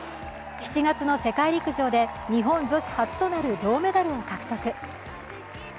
７月の世界陸上で日本女子初となる銅メダルを獲得。